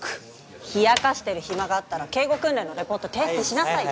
冷やかしてる暇があったら警護訓練のレポート提出しなさい。